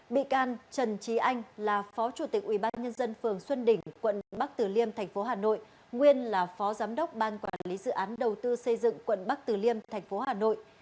bị can trần trí anh là phó chủ tịch ubnd phường xuân đỉnh quận bắc tử liêm tp hà nội nguyên là phó giám đốc ban quản lý dự án đầu tư xây dựng quận bắc tử liêm tp hà nội